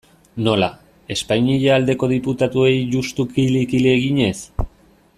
Nola, Espainia aldeko diputatuei juxtu kili-kili eginez?